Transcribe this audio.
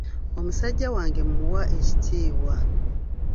Omusajja wange mmuwa ekitiibwa.